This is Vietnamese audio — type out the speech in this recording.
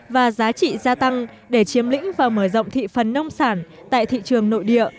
và giá trị gia tăng để chiếm lĩnh và mở rộng thị phần nông sản tại thị trường nội địa